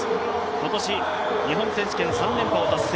今年日本選手権３連覇を達成。